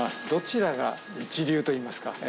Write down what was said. どちらが一流といいますか。